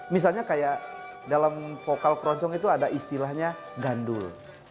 misalnya kayak dalam vokal keroncong itu ada istilahnya gandul